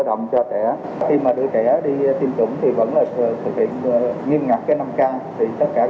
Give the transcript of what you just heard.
động cho trẻ khi mà đứa trẻ đi tiêm chủng thì vẫn là thực hiện nghiêm ngặt cái năm k thì tất cả các